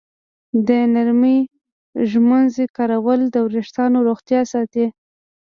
د نرمې ږمنځې کارول د ویښتانو روغتیا ساتي.